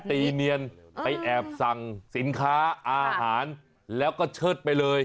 ตีเนียนไปแอบสั่งสินค้าอาหารแล้วก็เชิดไปเลย